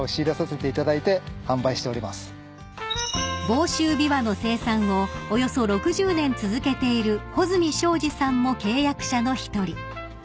［房州びわの生産をおよそ６０年続けている穂積昭治さんも契約者の一人］